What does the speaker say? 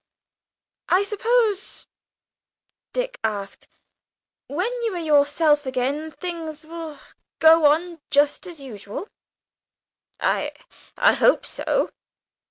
"I suppose," Dick asked, "when you are yourself again, things would go on just as usual?" "I I hope so."